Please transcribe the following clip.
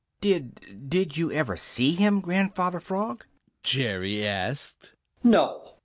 "Did did you ever see him, Grandfather Frog?" Jerry asked. "No!"